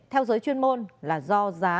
theo giới chuyên môn là do giá